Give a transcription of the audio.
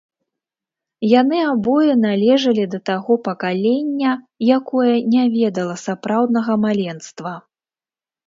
Яны абое належалі да таго пакалення, якое не ведала сапраўднага маленства.